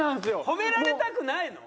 褒められたくないの？